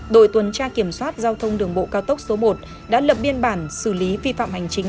đội tuần tra kiểm soát giao thông đường bộ cao tốc số một đã lập biên bản xử lý vi phạm hành chính